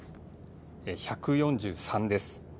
１４３です。